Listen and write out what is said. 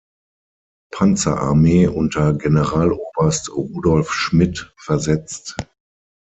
Panzerarmee unter Generaloberst Rudolf Schmidt versetzt.